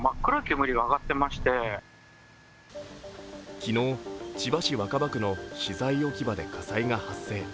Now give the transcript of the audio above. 昨日、千葉市若葉区の資材置き場で火災が発生。